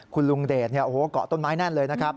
คุณลุงเดชเกาะต้นไม้แน่นเลย